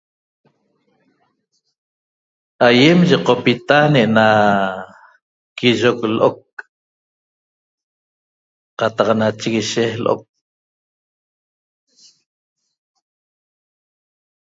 Aiem yeqopita ne'ena quiyoc lo'oc qataq na chiguishe lo'oc